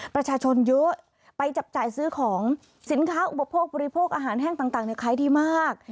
ประชาชนเยอะไปจับจ่ายซื้อของสินค้าอุปโภคบริโภคอาหารแห้งต่างขายดีมาก